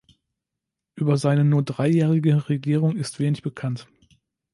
Über seine nur dreijährige Regierung ist wenig bekannt.